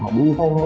mà đi thay với nó